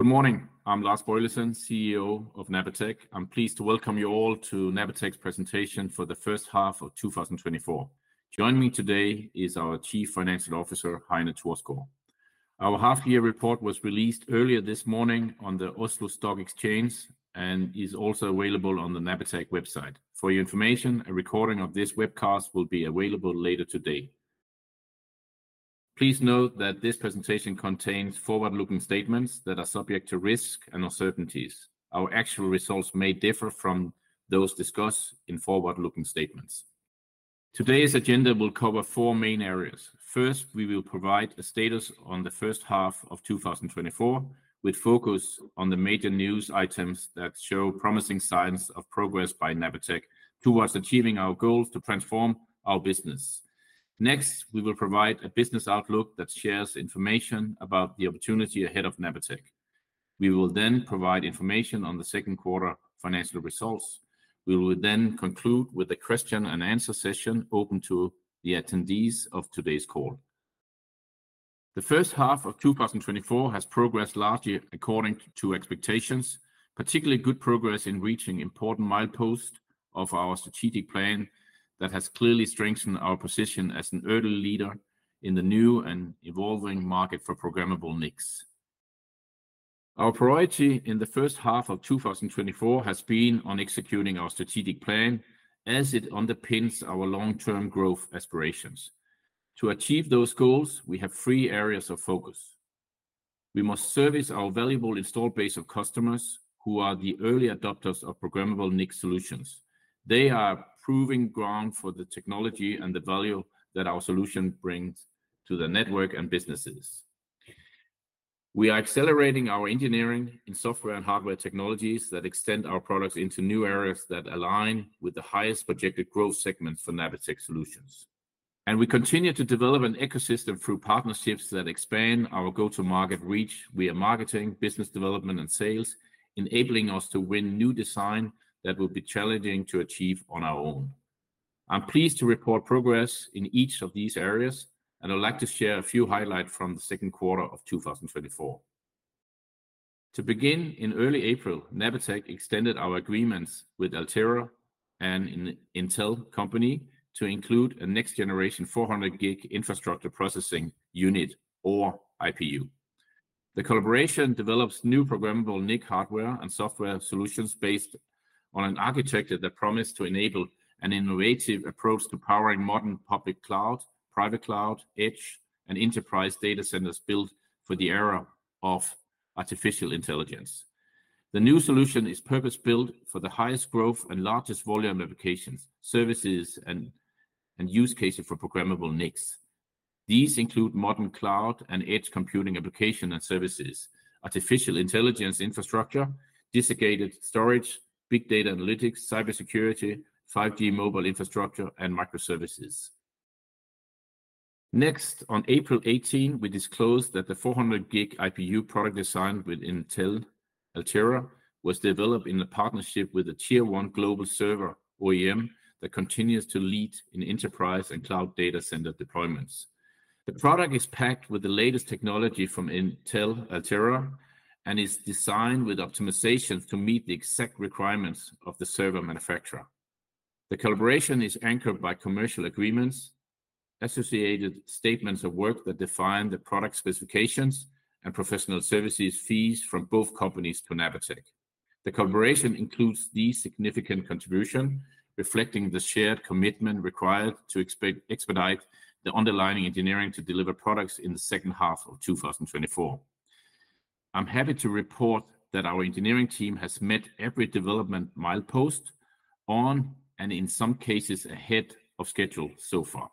Good morning. I'm Lars Boilesen, CEO of Napatech. I'm pleased to welcome you all to Napatech's presentation for the first half of 2024. Joining me today is our Chief Financial Officer, Heine Thorsgaard. Our half-year report was released earlier this morning on the Oslo Stock Exchange, and is also available on the Napatech website. For your information, a recording of this webcast will be available later today. Please note that this presentation contains forward-looking statements that are subject to risk and uncertainties. Our actual results may differ from those discussed in forward-looking statements. Today's agenda will cover four main areas. First, we will provide a status on the first half of 2024, with focus on the major news items that show promising signs of progress by Napatech towards achieving our goals to transform our business. Next, we will provide a business outlook that shares information about the opportunity ahead of Napatech. We will then provide information on the second quarter financial results. We will then conclude with a question and answer session open to the attendees of today's call. The first half of 2024 has progressed largely according to expectations, particularly good progress in reaching important milestone of our strategic plan that has clearly strengthened our position as an early leader in the new and evolving market for programmable NICs. Our priority in the first half of 2024 has been on executing our strategic plan as it underpins our long-term growth aspirations. To achieve those goals, we have three areas of focus. We must service our valuable installed base of customers, who are the early adopters of programmable NIC solutions. They are proving ground for the technology and the value that our solution brings to the network and businesses. We are accelerating our engineering in software and hardware technologies that extend our products into new areas that align with the highest projected growth segments for Napatech solutions. And we continue to develop an ecosystem through partnerships that expand our go-to-market reach via marketing, business development, and sales, enabling us to win new design that will be challenging to achieve on our own. I'm pleased to report progress in each of these areas, and I'd like to share a few highlights from the second quarter of 2024. To begin, in early April, Napatech extended our agreements with Altera and an Intel company to include a next-generation 400 gig infrastructure processing unit or IPU. The collaboration develops new programmable NIC hardware and software solutions based on an architecture that promises to enable an innovative approach to powering modern public cloud, private cloud, edge, and enterprise data centers built for the era of artificial intelligence. The new solution is purpose-built for the highest growth and largest volume applications, services, and use cases for programmable NICs. These include modern cloud and edge computing application and services, artificial intelligence infrastructure, disaggregated storage, big data analytics, cybersecurity, 5G mobile infrastructure, and microservices. Next, on April 18, we disclosed that the 400 gig IPU product design with Intel Altera, was developed in a partnership with a tier one global server OEM that continues to lead in enterprise and cloud data center deployments. The product is packed with the latest technology from Intel Altera, and is designed with optimizations to meet the exact requirements of the server manufacturer. The collaboration is anchored by commercial agreements, associated statements of work that define the product specifications, and professional services fees from both companies to Napatech. The collaboration includes these significant contribution, reflecting the shared commitment required to expedite the underlying engineering to deliver products in the second half of 2024. I'm happy to report that our engineering team has met every development milepost on, and in some cases, ahead of schedule so far.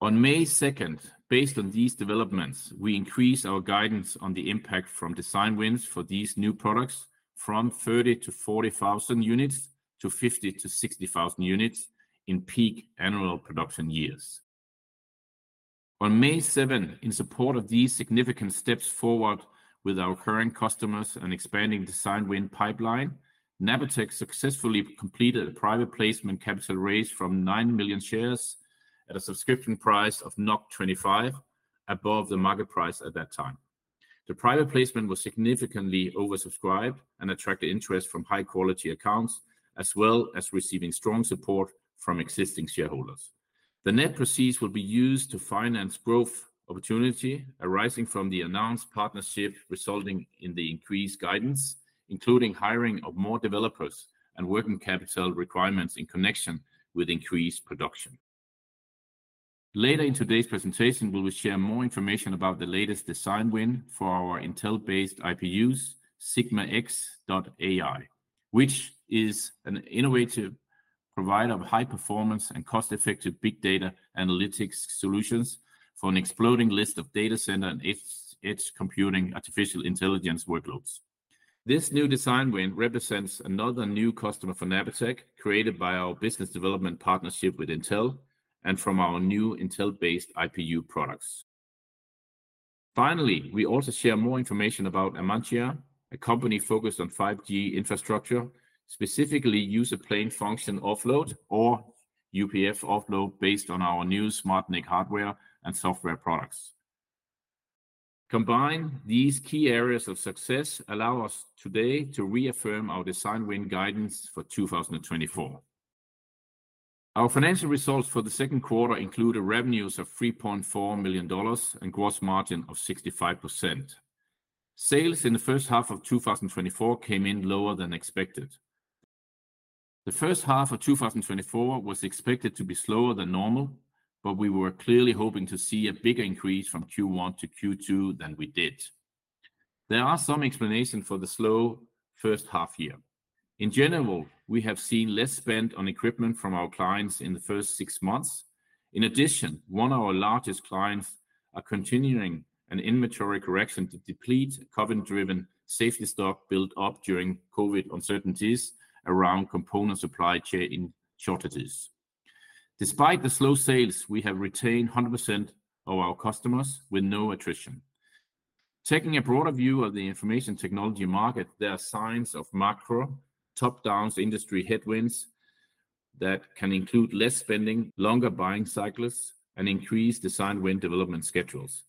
On May second, based on these developments, we increased our guidance on the impact from design wins for these new products from 30-40 thousand units to 50-60 thousand units in peak annual production years. On May seven, in support of these significant steps forward with our current customers and expanding design win pipeline, Napatech successfully completed a private placement capital raise from nine million shares at a subscription price of 25, above the market price at that time. The private placement was significantly oversubscribed and attracted interest from high-quality accounts, as well as receiving strong support from existing shareholders. The net proceeds will be used to finance growth opportunity arising from the announced partnership, resulting in the increased guidance, including hiring of more developers and working capital requirements in connection with increased production. Later in today's presentation, we will share more information about the latest design win for our Intel-based IPUs, SigmaX.ai, which is an innovative provider of high-performance and cost-effective big data analytics solutions for an exploding list of data center and its edge computing artificial intelligence workloads. This new design win represents another new customer for Napatech, created by our business development partnership with Intel and from our new Intel-based IPU products. Finally, we also share more information about Amantya, a company focused on 5G infrastructure, specifically User Plane Function offload or UPF offload based on our new SmartNIC hardware and software products. Combined, these key areas of success allow us today to reaffirm our design win guidance for 2024. Our financial results for the second quarter include revenues of $3.4 million and gross margin of 65%. Sales in the first half of 2024 came in lower than expected. The first half of 2024 was expected to be slower than normal, but we were clearly hoping to see a bigger increase from Q1 to Q2 than we did. There are some explanations for the slow first half year. In general, we have seen less spend on equipment from our clients in the first six months. In addition, one of our largest clients are continuing an inventory correction to deplete COVID-driven safety stock built up during COVID uncertainties around component supply chain shortages. Despite the slow sales, we have retained 100% of our customers with no attrition. Taking a broader view of the information technology market, there are signs of macro top-down industry headwinds that can include less spending, longer buying cycles, and increased design win development schedules.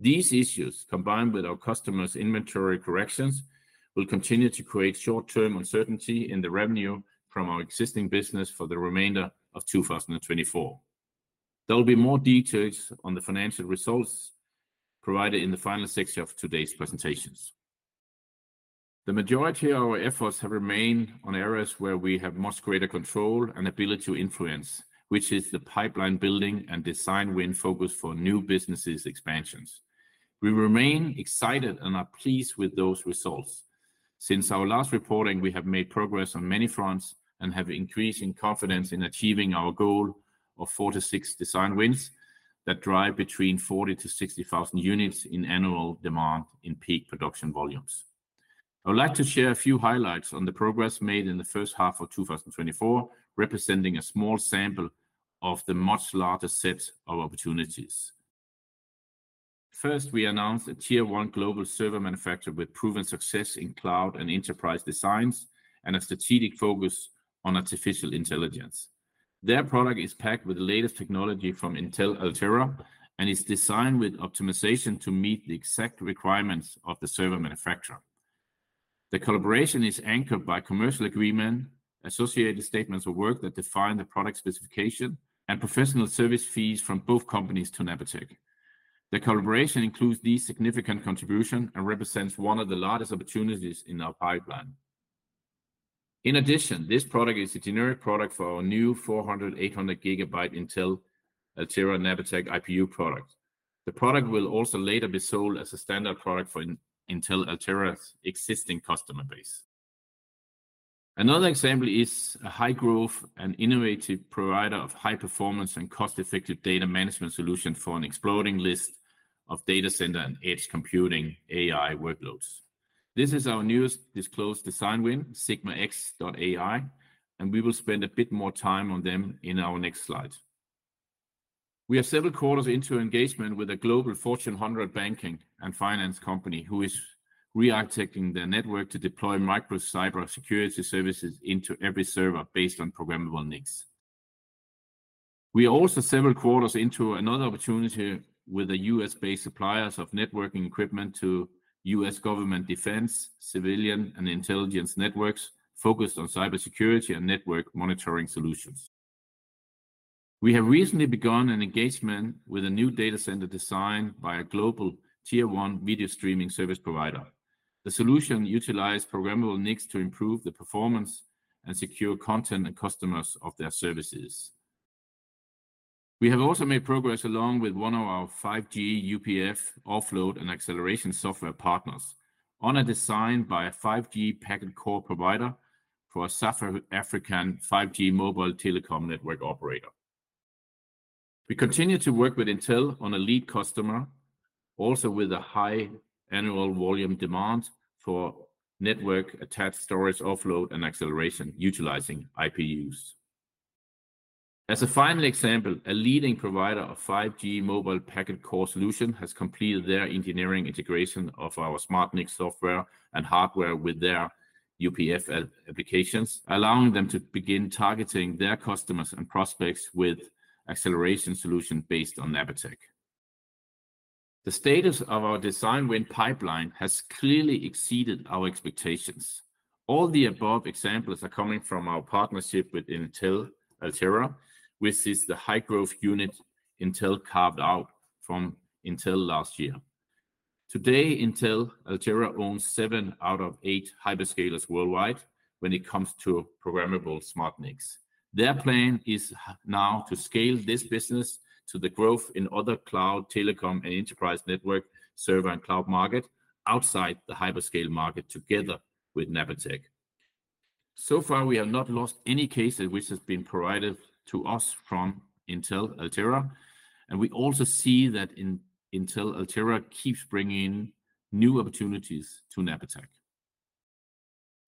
These issues, combined with our customers' inventory corrections, will continue to create short-term uncertainty in the revenue from our existing business for the remainder of 2024. There will be more details on the financial results provided in the final section of today's presentations. The majority of our efforts have remained on areas where we have much greater control and ability to influence, which is the pipeline building and design win focus for new businesses expansions. We remain excited and are pleased with those results. Since our last reporting, we have made progress on many fronts and have increased in confidence in achieving our goal of four to six design wins that drive between 40-60 thousand units in annual demand in peak production volumes. I would like to share a few highlights on the progress made in the first half of 2024, representing a small sample of the much larger set of opportunities. First, we announced a Tier 1 global server manufacturer with proven success in cloud and enterprise designs and a strategic focus on artificial intelligence. Their product is packed with the latest technology from Intel-Altera, and is designed with optimization to meet the exact requirements of the server manufacturer. The collaboration is anchored by commercial agreement, associated statements of work that define the product specification, and professional service fees from both companies to Napatech. The collaboration includes these significant contribution and represents one of the largest opportunities in our pipeline. In addition, this product is a generic product for our new 400- and 800-gigabyte Intel-Altera Napatech IPU product. The product will also later be sold as a standard product for Intel-Altera's existing customer base. Another example is a high-growth and innovative provider of high-performance and cost-effective data management solution for an exploding list of data center and edge computing AI workloads. This is our newest disclosed design win, SigmaX.ai, and we will spend a bit more time on them in our next slide. We are several quarters into engagement with a global Fortune 100 banking and finance company, who is re-architecting their network to deploy micro cybersecurity services into every server based on programmable NICs. We are also several quarters into another opportunity with the U.S.-based suppliers of networking equipment to U.S. government defense, civilian, and intelligence networks focused on cybersecurity and network monitoring solutions. We have recently begun an engagement with a new data center designed by a global Tier 1 media streaming service provider. The solution utilized programmable NICs to improve the performance and secure content and customers of their services. We have also made progress, along with one of our 5G UPF offload and acceleration software partners, on a design by a 5G packet core provider for a South African 5G mobile telecom network operator. We continue to work with Intel on a lead customer, also with a high annual volume demand for network-attached storage, offload, and acceleration utilizing IPUs. As a final example, a leading provider of 5G mobile packet core solution has completed their engineering integration of our SmartNIC software and hardware with their UPF applications, allowing them to begin targeting their customers and prospects with acceleration solution based on Napatech. The status of our design win pipeline has clearly exceeded our expectations. All the above examples are coming from our partnership with Intel Altera, which is the high-growth unit Intel carved out from Intel last year. Today, Intel Altera owns seven out of eight hyperscalers worldwide when it comes to programmable SmartNICs. Their plan is now to scale this business to the growth in other cloud, telecom, and enterprise network, server, and cloud market outside the hyperscale market together with Napatech. So far, we have not lost any cases which has been provided to us from Intel Altera, and we also see that Intel Altera keeps bringing new opportunities to Napatech.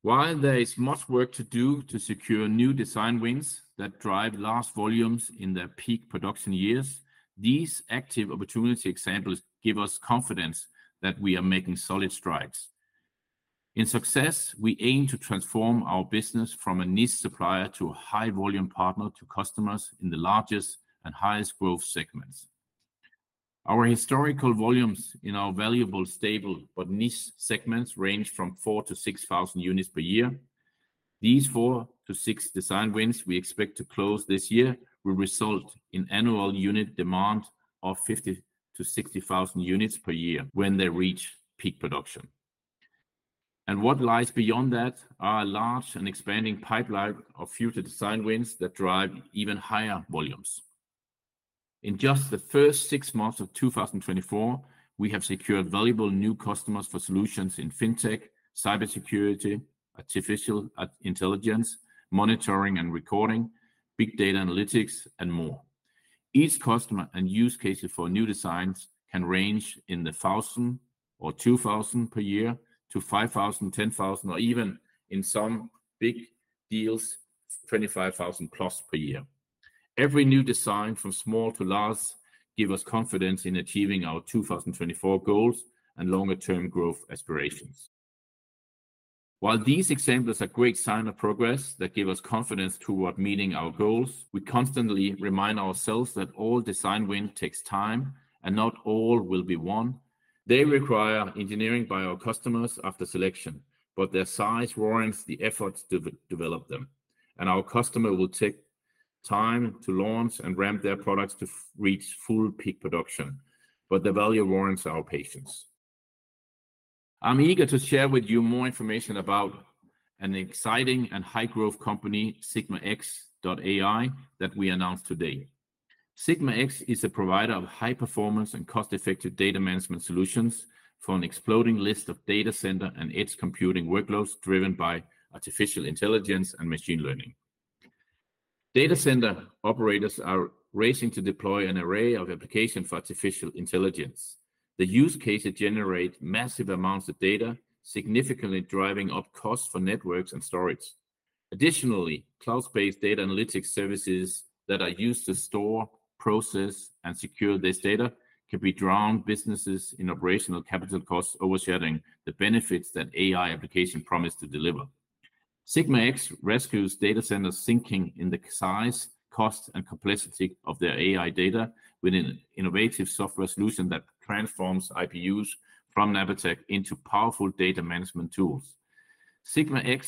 While there is much work to do to secure new design wins that drive large volumes in their peak production years, these active opportunity examples give us confidence that we are making solid strides. In success, we aim to transform our business from a niche supplier to a high-volume partner to customers in the largest and highest growth segments. Our historical volumes in our valuable, stable, but niche segments range from 4,000-6,000 units per year. These 4-6 design wins we expect to close this year will result in annual unit demand of 50,000-60,000 units per year when they reach peak production. And what lies beyond that are a large and expanding pipeline of future design wins that drive even higher volumes. In just the first six months of 2024, we have secured valuable new customers for solutions in fintech, cybersecurity, artificial intelligence, monitoring and recording, big data analytics, and more. Each customer and use cases for new designs can range in the 1,000 or 2,000 per year to 5,000, 10,000, or even in some big deals, 25,000 plus per year. Every new design, from small to large, give us confidence in achieving our 2024 goals and longer-term growth aspirations. While these examples are great sign of progress that give us confidence toward meeting our goals, we constantly remind ourselves that all design win takes time, and not all will be won. They require engineering by our customers after selection, but their size warrants the efforts to develop them, and our customer will take time to launch and ramp their products to reach full peak production, but the value warrants our patience. I'm eager to share with you more information about an exciting and high-growth company, SigmaX.ai, that we announced today. SigmaX is a provider of high-performance and cost-effective data management solutions for an exploding list of data center and edge computing workloads driven by artificial intelligence and machine learning. Data center operators are racing to deploy an array of applications for artificial intelligence. The use cases generate massive amounts of data, significantly driving up costs for networks and storage. Additionally, cloud-based data analytics services that are used to store, process, and secure this data can drown businesses in operational capital costs, overshadowing the benefits that AI applications promise to deliver. SigmaX.ai rescues data centers sinking in the size, cost, and complexity of their AI data with an innovative software solution that transforms IPUs from Napatech into powerful data management tools. SigmaX.ai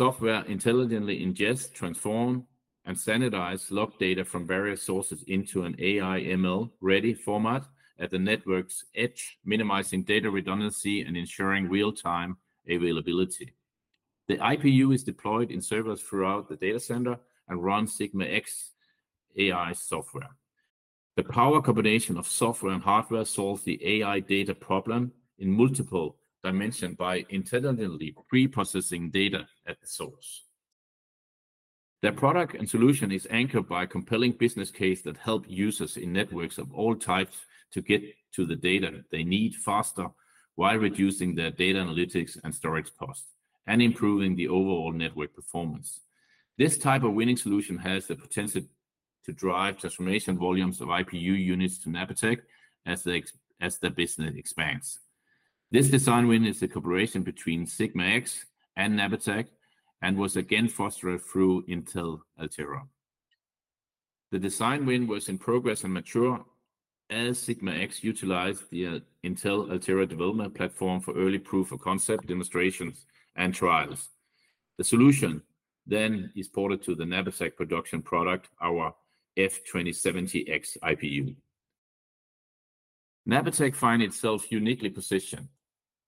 software intelligently ingests, transforms, and standardizes log data from various sources into an AI/ML-ready format at the network's edge, minimizing data redundancy and ensuring real-time availability. The IPU is deployed in servers throughout the data center and runs SigmaX.ai AI software. The power combination of software and hardware solves the AI data problem in multiple dimensions by intelligently preprocessing data at the source. Their product and solution is anchored by a compelling business case that help users in networks of all types to get to the data they need faster, while reducing their data analytics and storage costs, and improving the overall network performance. This type of winning solution has the potential to drive transformation volumes of IPU units to Napatech as the business expands. This design win is a collaboration between SigmaX.ai and Napatech, and was again fostered through Intel-Altera. The design win was in progress and mature as SigmaX.ai utilized the Intel-Altera development platform for early proof-of-concept demonstrations and trials. The solution then is ported to the Napatech production product, our F2070X IPU. Napatech find itself uniquely positioned.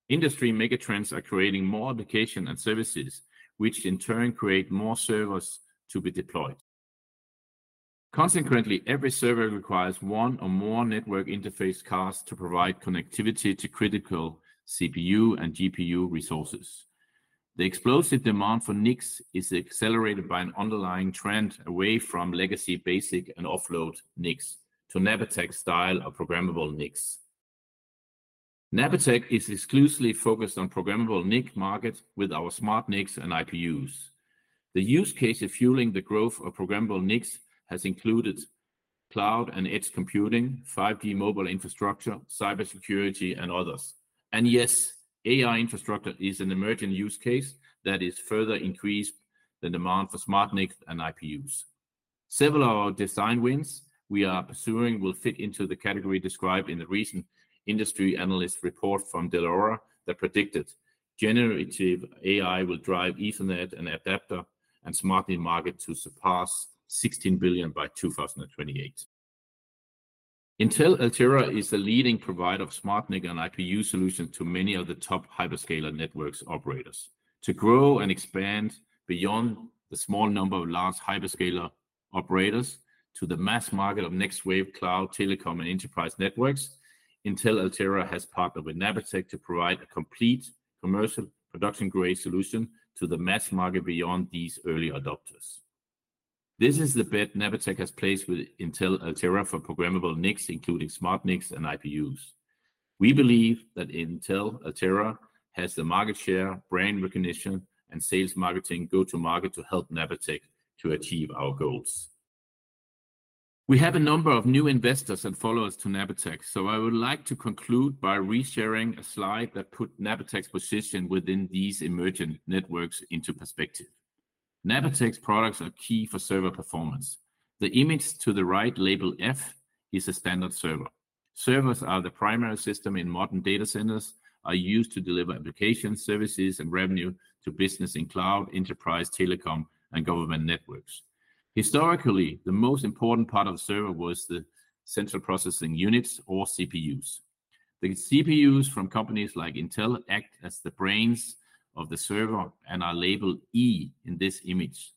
Industry mega trends are creating more application and services, which in turn create more servers to be deployed. Consequently, every server requires one or more network interface cards to provide connectivity to critical CPU and GPU resources. The explosive demand for NICs is accelerated by an underlying trend away from legacy, basic, and offload NICs to Napatech style of programmable NICs. Napatech is exclusively focused on programmable NIC market with our SmartNICs and IPUs. The use case of fueling the growth of programmable NICs has included cloud and edge computing, 5G mobile infrastructure, cybersecurity, and others, and yes, AI infrastructure is an emerging use case that is further increased the demand for SmartNIC and IPUs. Several of our design wins we are pursuing will fit into the category described in the recent industry analyst report from Dell'Oro that predicted generative AI will drive Ethernet and adapter and SmartNIC market to surpass 16 billion by 2028. Intel-Altera is a leading provider of SmartNIC and IPU solution to many of the top hyperscaler networks operators. To grow and expand beyond the small number of large hyperscaler operators to the mass market of next wave cloud, telecom, and enterprise networks, Intel-Altera has partnered with Napatech to provide a complete commercial production-grade solution to the mass market beyond these early adopters. This is the bet Napatech has placed with Intel-Altera for programmable NICs, including SmartNICs and IPUs. We believe that Intel-Altera has the market share, brand recognition, and sales marketing go-to-market to help Napatech to achieve our goals.... We have a number of new investors and followers to Napatech, so I would like to conclude by re-sharing a slide that put Napatech's position within these emergent networks into perspective. Napatech products are key for server performance. The image to the right, labeled F, is a standard server. Servers are the primary system in modern data centers, are used to deliver application services and revenue to business in cloud, enterprise, telecom, and government networks. Historically, the most important part of the server was the central processing units, or CPUs. The CPUs from companies like Intel act as the brains of the server and are labeled E in this image.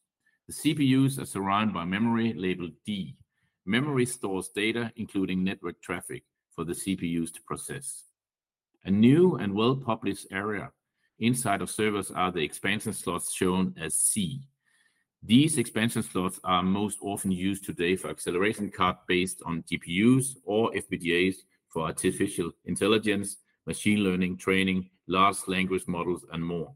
The CPUs are surrounded by memory, labeled D. Memory stores data, including network traffic, for the CPUs to process. A new and well-published area inside of servers are the expansion slots, shown as C. These expansion slots are most often used today for acceleration card based on GPUs or FPGAs for artificial intelligence, machine learning, training, large language models, and more.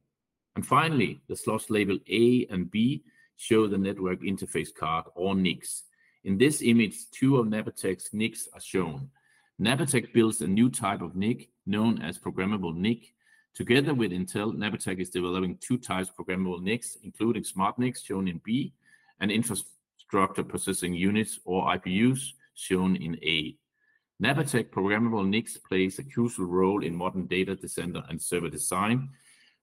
Finally, the slots labeled A and B show the network interface card, or NICs. In this image, two of Napatech NICs are shown. Napatech builds a new type of NIC, known as programmable NIC. Together with Intel, Napatech is developing two types of programmable NICs, including SmartNICs, shown in B, and infrastructure processing units, or IPUs, shown in A. Napatech programmable NICs plays a crucial role in modern data center and server design.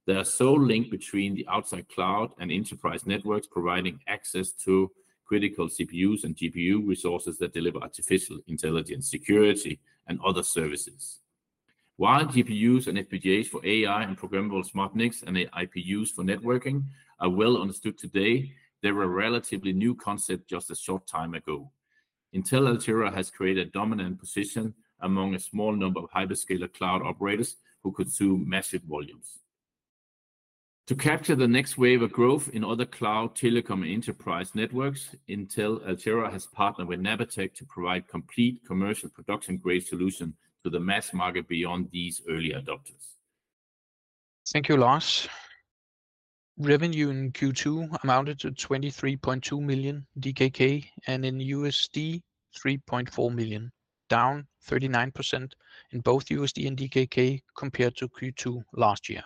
They are sole link between the outside cloud and enterprise networks, providing access to critical CPUs and GPU resources that deliver artificial intelligence, security, and other services. While GPUs and FPGAs for AI and programmable SmartNICs and the IPUs for networking are well understood today, they were a relatively new concept just a short time ago. Intel-Altera has created a dominant position among a small number of hyperscaler cloud operators who consume massive volumes. To capture the next wave of growth in other cloud, telecom, and enterprise networks, Intel-Altera has partnered with Napatech to provide complete commercial production-grade solution to the mass market beyond these early adopters. Thank you, Lars. Revenue in Q2 amounted to 23.2 million DKK, and in USD, $3.4 million, down 39% in both USD and DKK compared to Q2 last year.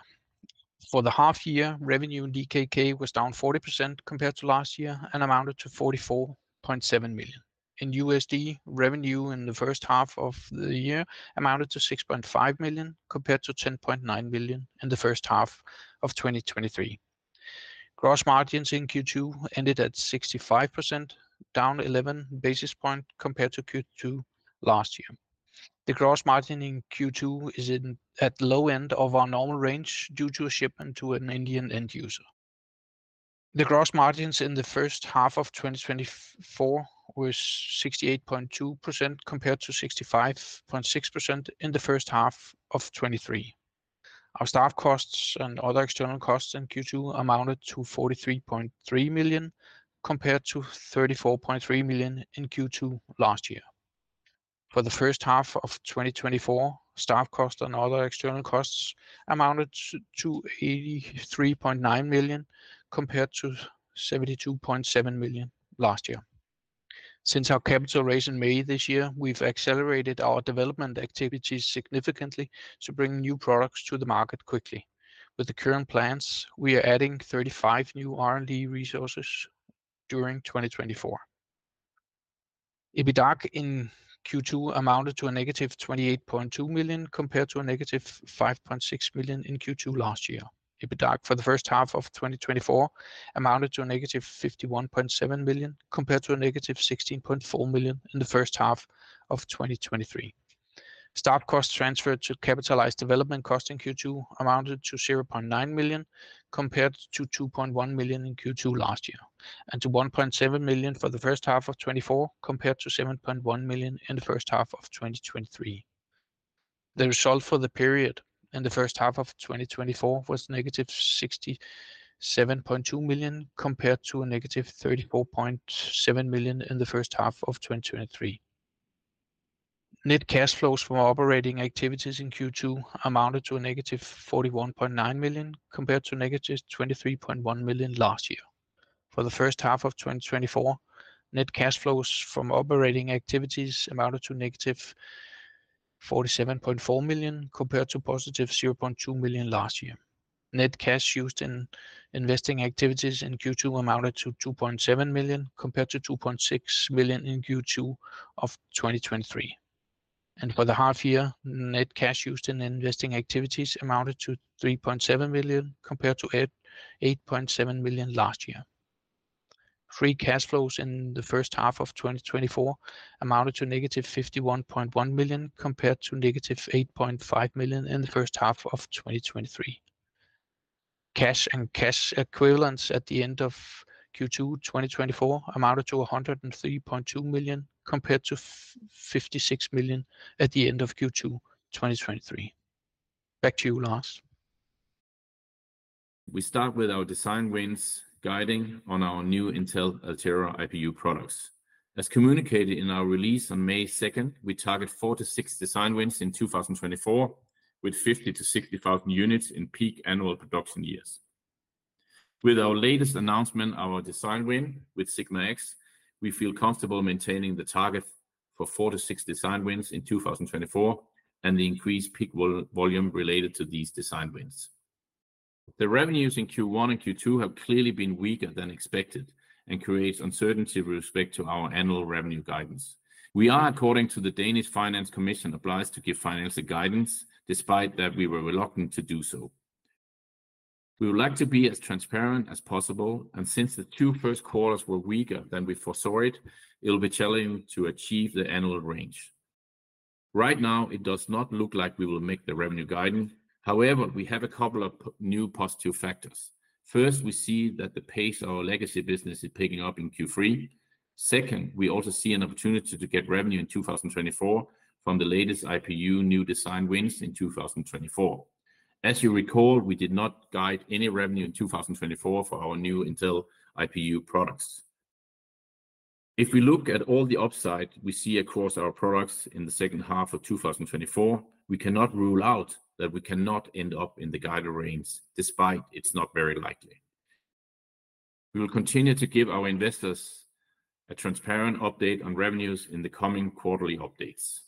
For the half year, revenue in DKK was down 40% compared to last year and amounted to 44.7 million. In USD, revenue in the first half of the year amounted to $6.5 million, compared to $10.9 million in the first half of 2023. Gross margins in Q2 ended at 65%, down eleven basis point compared to Q2 last year. The gross margin in Q2 is at low end of our normal range due to a shipment to an Indian end user. The gross margins in the first half of 2024 were 68.2%, compared to 65.6% in the first half of 2023. Our staff costs and other external costs in Q2 amounted to 43.3 million, compared to 34.3 million in Q2 last year. For the first half of 2024, staff cost and other external costs amounted to eighty-three point nine million, compared to seventy-two point seven million last year. Since our capital raise in May this year, we've accelerated our development activities significantly to bring new products to the market quickly. With the current plans, we are adding 35 new R&D resources during 2024. EBITDA in Q2 amounted to a negative 28.2 million, compared to a negative 5.6 million in Q2 last year. EBITDA for the first half of 2024 amounted to a negative 51.7 million, compared to a negative 16.4 million in the first half of 2023. Staff costs transferred to capitalized development costs in Q2 amounted to 0.9 million, compared to 2.1 million in Q2 last year, and to 1.7 million for the first half of 2024, compared to 7.1 million in the first half of 2023. The result for the period in the first half of 2024 was negative 67.2 million, compared to a negative 34.7 million in the first half of 2023. Net cash flows from operating activities in Q2 amounted to a negative 41.9 million, compared to negative 23.1 million last year. For the first half of 2024, net cash flows from operating activities amounted to negative 47.4 million, compared to positive 0.2 million last year. Net cash used in investing activities in Q2 amounted to 2.7 million, compared to 2.6 million in Q2 of 2023. For the half year, net cash used in investing activities amounted to 3.7 million, compared to 8.7 million last year. Free cash flows in the first half of 2024 amounted to negative 51.1 million, compared to negative 8.5 million in the first half of 2023. Cash and cash equivalents at the end of Q2 2024 amounted to 103.2 million, compared to 56 million at the end of Q2 2023. Back to you, Lars. We start with our design wins, guiding on our new Intel-Altera IPU products. As communicated in our release on May 2nd, we target four to six design wins in 2024, with 50-60 thousand units in peak annual production years... With our latest announcement, our design win with SigmaX, we feel comfortable maintaining the target for four to six design wins in 2024, and the increased peak volume related to these design wins. The revenues in Q1 and Q2 have clearly been weaker than expected and creates uncertainty with respect to our annual revenue guidance. We are, according to the Danish Finance Commission, obliged to give financial guidance, despite that we were reluctant to do so. We would like to be as transparent as possible, and since the two first quarters were weaker than we foresaw it, it'll be challenging to achieve the annual range. Right now, it does not look like we will make the revenue guidance. However, we have a couple of new positive factors. First, we see that the pace of our legacy business is picking up in Q3. Second, we also see an opportunity to get revenue in 2024 from the latest IPU new design wins in 2024. As you recall, we did not guide any revenue in 2024 for our new Intel IPU products. If we look at all the upside we see across our products in the second half of 2024, we cannot rule out that we cannot end up in the guided range, despite it's not very likely. We will continue to give our investors a transparent update on revenues in the coming quarterly updates.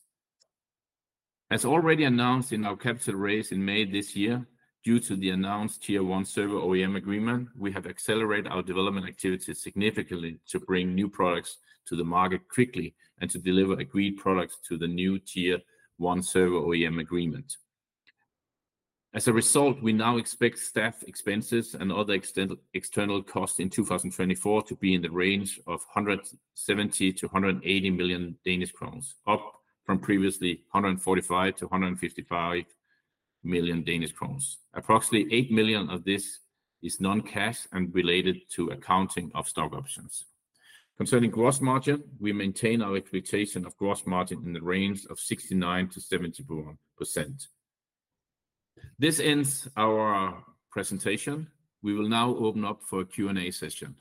As already announced in our capital raise in May this year, due to the announced Tier 1 server OEM agreement, we have accelerated our development activities significantly to bring new products to the market quickly and to deliver agreed products to the new Tier 1 server OEM agreement. As a result, we now expect staff expenses and other external costs in 2024 to be in the range of 170-180 million Danish crowns, up from previously 145-155 million Danish crowns. Approximately eight million of this is non-cash and related to accounting of stock options. Concerning gross margin, we maintain our expectation of gross margin in the range of 69%-71%. This ends our presentation. We will now open up for a Q&A session.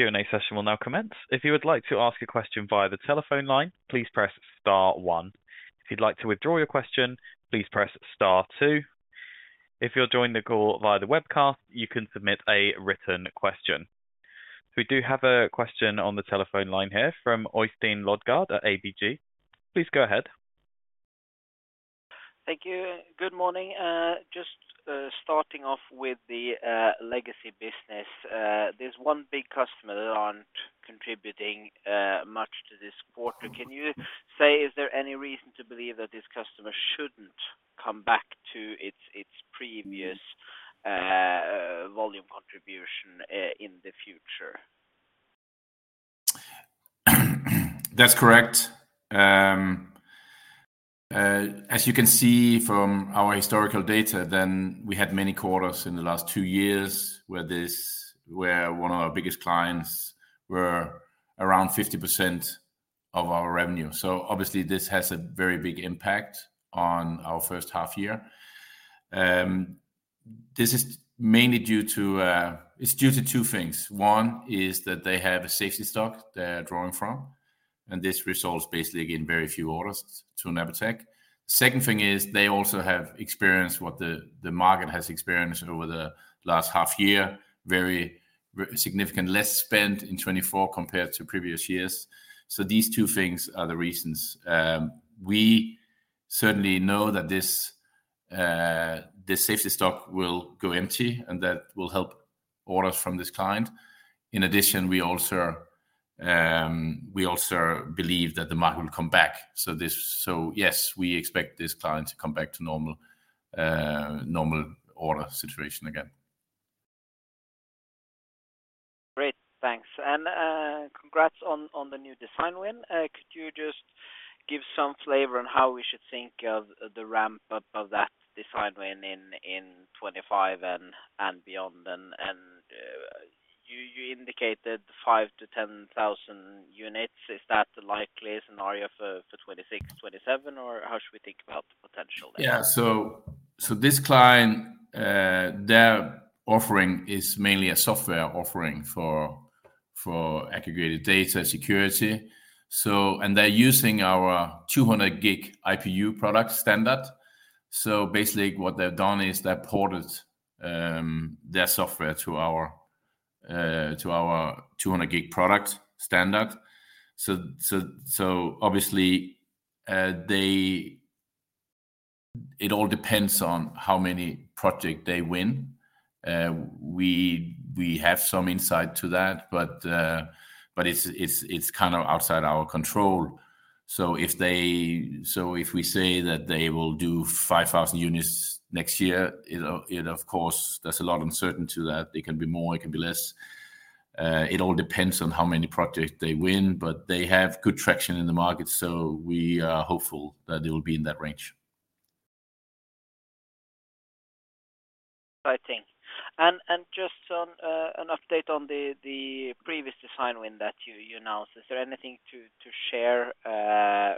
The Q&A session will now commence. If you would like to ask a question via the telephone line, please press star one. If you'd like to withdraw your question, please press star two. If you're joining the call via the webcast, you can submit a written question. We do have a question on the telephone line here from Øystein Lodgaard at ABG. Please go ahead. Thank you. Good morning. Just starting off with the legacy business. There's one big customer that aren't contributing much to this quarter. Can you say, is there any reason to believe that this customer shouldn't come back to its previous volume contribution in the future? That's correct. As you can see from our historical data, then we had many quarters in the last two years where this- where one of our biggest clients were around 50% of our revenue. So obviously, this has a very big impact on our first half year. This is mainly due to. It's due to two things. One is that they have a safety stock they're drawing from, and this results basically in very few orders to Napatech. Second thing is they also have experienced what the market has experienced over the last half year, very, very significant less spent in 2024 compared to previous years. So these two things are the reasons. We certainly know that this safety stock will go empty, and that will help orders from this client. In addition, we also believe that the market will come back, so yes, we expect this client to come back to normal order situation again. Great, thanks, and congrats on the new design win. Could you just give some flavor on how we should think of the ramp-up of that design win in 2025 and beyond? You indicated 5-10,000 units. Is that the likely scenario for 2026, 2027, or how should we think about the potential there? Yeah. So this client, their offering is mainly a software offering for aggregated data security. And they're using our 200 gig IPU product standard. So basically, what they've done is they ported their software to our 200 gig product standard. So obviously, they, it all depends on how many project they win. We have some insight to that, but it's kind of outside our control. So if they, so if we say that they will do 5,000 units next year, it, of course, there's a lot of uncertainty to that. It can be more, it can be less. It all depends on how many projects they win, but they have good traction in the market, so we are hopeful that they will be in that range.... I think. And just on an update on the previous design win that you announced. Is there anything to share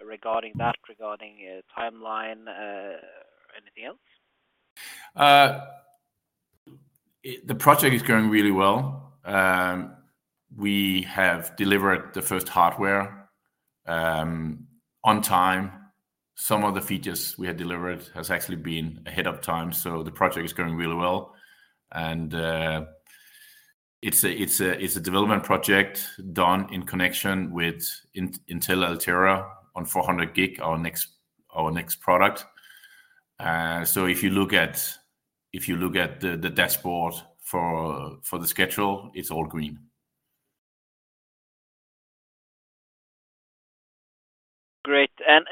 regarding that, regarding a timeline, anything else? The project is going really well. We have delivered the first hardware on time. Some of the features we had delivered has actually been ahead of time, so the project is going really well. It's a development project done in connection with Intel Altera on 400 gig, our next product. So if you look at the dashboard for the schedule, it's all green. Great. And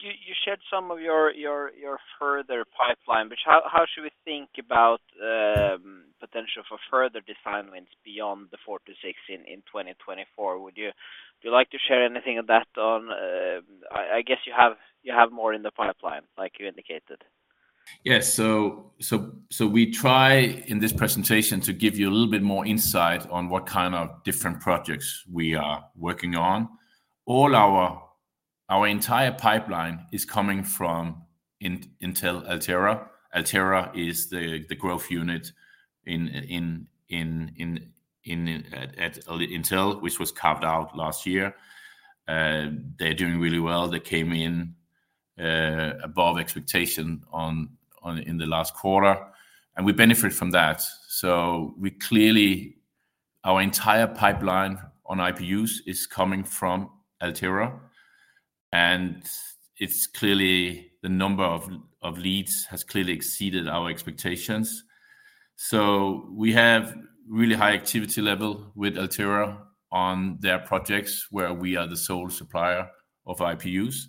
you shared some of your further pipeline, which, how should we think about potential for further design wins beyond the four to six in 2024? Would you like to share anything on that? I guess you have more in the pipeline, like you indicated. Yes. So we try in this presentation to give you a little bit more insight on what kind of different projects we are working on. All our entire pipeline is coming from Intel Altera. Altera is the growth unit at Intel, which was carved out last year. They're doing really well. They came in above expectation in the last quarter, and we benefit from that. So our entire pipeline on IPUs is coming from Altera, and it's clearly the number of leads has clearly exceeded our expectations. So we have really high activity level with Altera on their projects, where we are the sole supplier of IPUs.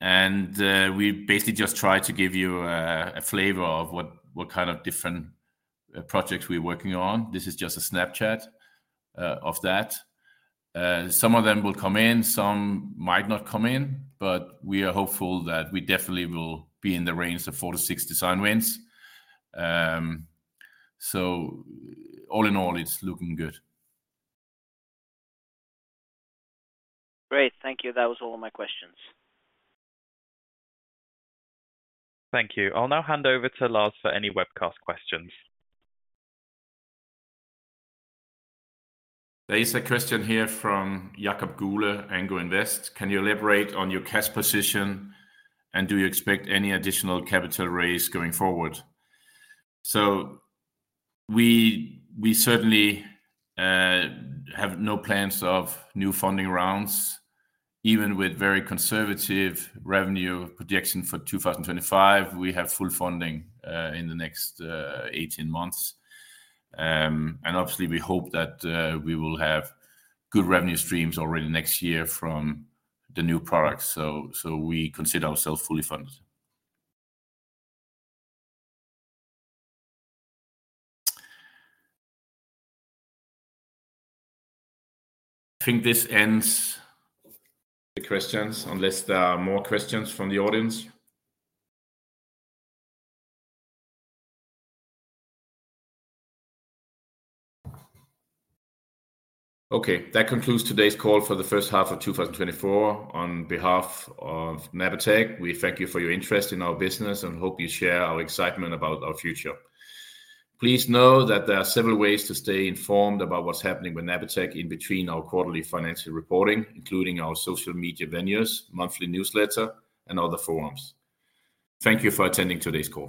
And we basically just try to give you a flavor of what kind of different projects we're working on. This is just a snapshot of that. Some of them will come in, some might not come in, but we are hopeful that we definitely will be in the range of four to six design wins. So all in all, it's looking good. Great. Thank you. That was all of my questions. Thank you. I'll now hand over to Lars for any webcast questions. There is a question here from Jacob Gulev, Ango Invest: Can you elaborate on your cash position, and do you expect any additional capital raise going forward? So we certainly have no plans of new funding rounds. Even with very conservative revenue projection for two thousand and twenty-five, we have full funding in the next eighteen months. And obviously, we hope that we will have good revenue streams already next year from the new products. So we consider ourselves fully funded. I think this ends the questions, unless there are more questions from the audience. Okay, that concludes today's call for the first half of 2024. On behalf of Napatech, we thank you for your interest in our business and hope you share our excitement about our future. Please know that there are several ways to stay informed about what's happening with Napatech in between our quarterly financial reporting, including our social media venues, monthly newsletter, and other forums. Thank you for attending today's call.